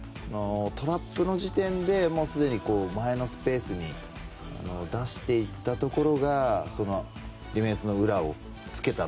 トラップの時点ですでに前のスペースに出していたところがディフェンスの裏を突けた。